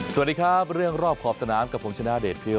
สวัสดีครับเรื่องรอบขอบสนามกับผมชนะเดชพิว